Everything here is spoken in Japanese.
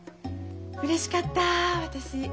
うれしかった私。